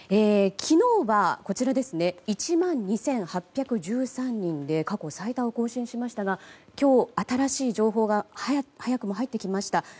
昨日は１万２８１３人で過去最多を更新しましたが今日、新しい情報が早くも入ってきました。